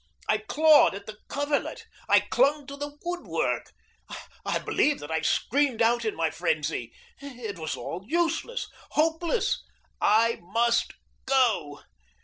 I clawed at the coverlet. I clung to the wood work. I believe that I screamed out in my frenzy. It was all useless, hopeless. I MUST go.